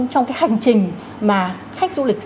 trong cái hành trình mà khách du lịch